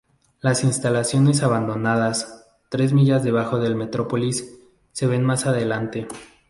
Las instalaciones abandonadas, tres millas debajo de Metrópolis, se ven más adelante.